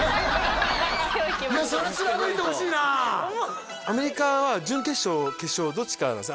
それ貫いてほしいなアメリカは準決勝決勝どっちかなんです